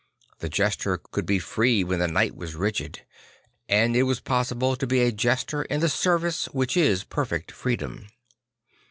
The jester could be free when the knight was rigid; and it was possible to be a j ester in the service which is perfect freedom.